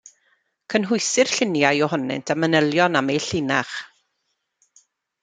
Cynhwysir lluniau ohonynt a manylion am eu llinach.